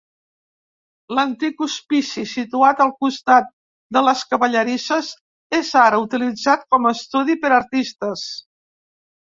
L"antic hospici situat al costat de les cavallerisses és ara utilitzat com estudi per artistes.